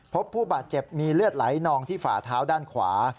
พบผู้บาดเจ็บมีเลือดไหลนองที่ฝ่าเท้าด้านขวา